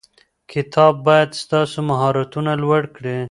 کتاب باید ستاسو مهارتونه لوړ کړي.